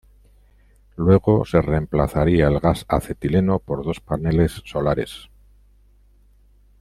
Luego se reemplazaría el gas acetileno por dos paneles solares.